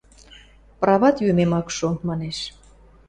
Прават йӱмем ак шо... – манеш.